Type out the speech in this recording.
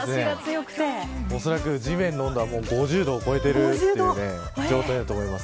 おそらく地面の温度は５０度を超えていると思います。